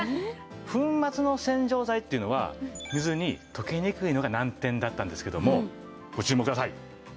粉末の洗浄剤っていうのは水に溶けにくいのが難点だったんですけどもご注目ください。